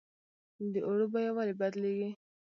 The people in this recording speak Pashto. د اوړو بیه ولې بدلیږي؟